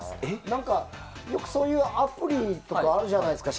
何か、よくそういうアプリとかあるじゃないですか。